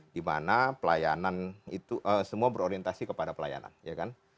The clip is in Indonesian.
dimana pelayanan itu semua berorientasi kepada pelayanan ya kan